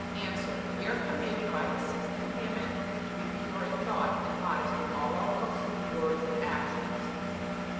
A. We are commanded by the sixth Commandment to be pure in thought and modest in all our looks, words, and actions.